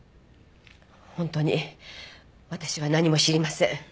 本当に私は何も知りません。